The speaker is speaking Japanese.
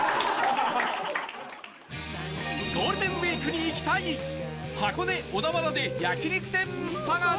ゴールデンウィークに行きたい箱根小田原で焼肉店探し